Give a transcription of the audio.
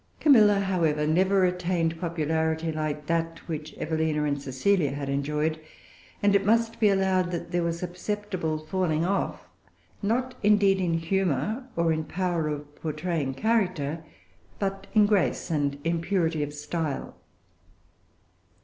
Camilla, however, never attained popularity like that which Evelina and Cecilia had enjoyed; and it must be allowed that there was a[Pg 379] perceptible falling off, not indeed in humor or in power of portraying character, but in grace and in purity of style.